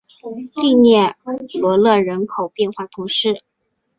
利涅罗勒人口变化图示